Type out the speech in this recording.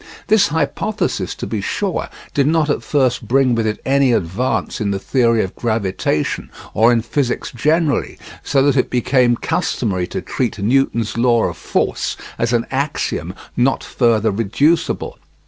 This hypothesis, to be sure, did not at first bring with it any advance in the theory of gravitation or in physics generally, so that it became customary to treat Newton's law of force as an axiom not further reducible.